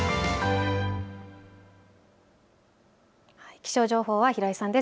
気象情報は平井さんです。